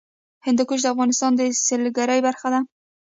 هندوکش د افغانستان د سیلګرۍ برخه ده.